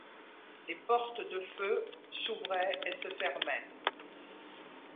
Des portes de feu s’ouvraient et se fermaient.